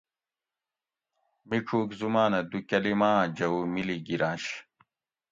مِڄوگ زمانہ دو کلیماۤں جوؤ مِلی گِرنش